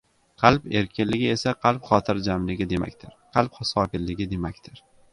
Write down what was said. Qalb erkinligi esa qalb xotirjamligi demakdir, qalb sokinligi demakdir.